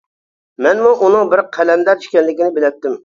مەنمۇ ئۇنىڭ بىر قەلەندەر ئىكەنلىكىنى بىلەتتىم.